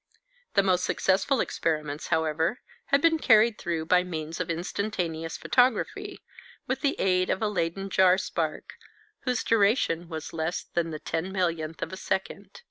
The most successful experiments, however, have been carried through by means of instantaneous photography, with the aid of a Leyden jar spark, whose duration was less than the ten millionth of a second.